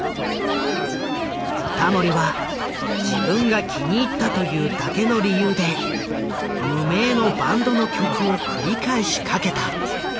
タモリは自分が気に入ったというだけの理由で無名のバンドの曲を繰り返しかけた。